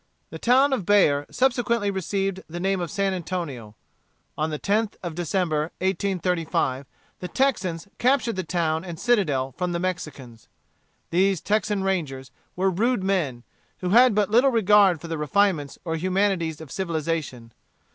The town of Bexar subsequently received the name of San Antonio. On the tenth of December, 1835, the Texans captured the town and citadel from the Mexicans. These Texan Rangers were rude men, who had but little regard for the refinements or humanities of civilization.